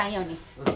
うん。